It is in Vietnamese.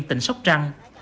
tỉnh sóc trăng